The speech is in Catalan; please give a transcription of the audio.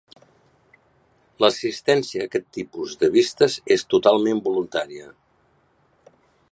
L'assistència a aquest tipus de vistes és totalment voluntària.